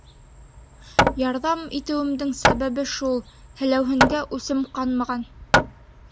Ярҙам итеүсмдең сәбәбе шул: һеләүһенгә үсем ҡанмаған.